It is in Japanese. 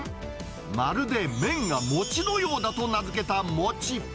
まるで麺が餅のようだと名付けた餅。